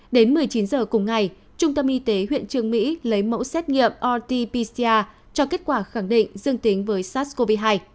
đến một mươi chín h cùng ngày trung tâm y tế huyện trường mỹ lấy mẫu xét nghiệm rt pcr cho kết quả khẳng định dương tính với sars cov hai